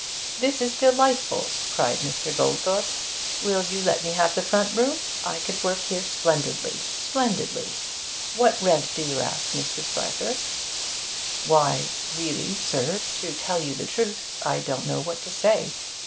'This is delightful,' cried Mr. Goldthorpe. 'Will you let me have the front room? I could work here splendidly splendidly! What rent do you ask, Mr. Spicer?' 'Why really, sir, to tell you the truth I don't know what to say.